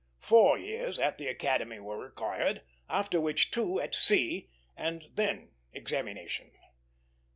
Four years at the Academy were required, after which two at sea, and then examination.